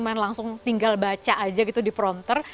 kita tidak hanya tinggal baca saja di prompter